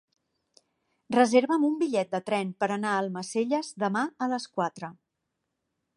Reserva'm un bitllet de tren per anar a Almacelles demà a les quatre.